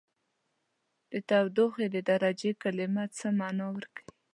د تودوخې د درجې کلمه څه معنا ورکوي؟